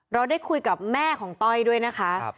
เราได้คุยกับแม่ของต้อยด้วยนะคะ